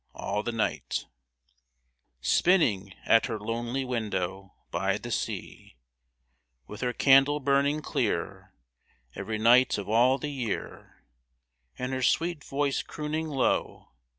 All the night ! Spinning, at her lonely window. By the sea ! With her candle burning clear. Every night of all the year, And her sweet voice crooning low.